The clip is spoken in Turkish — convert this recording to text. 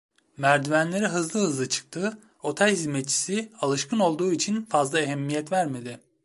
Merdivenleri hızlı hızlı çıktı, otel hizmetçisi, alışkın olduğu için, fazla ehemmiyet vermedi.